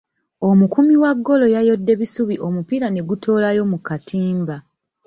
Omukuumi wa ggoolo yayodde bisubi omupiira ne gutoolayo mu katimba.